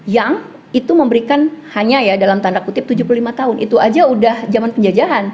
yang itu memberikan hanya ya dalam tanda kutip tujuh puluh lima tahun itu aja udah zaman penjajahan